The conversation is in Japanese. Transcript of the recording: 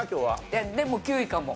いやでも９位かも。